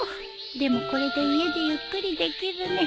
でもこれで家でゆっくりできるね